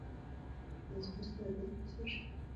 یا سجستان ته ترسره شوی